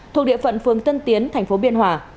thuộc địa phận phường tân tiến thành phố biên hòa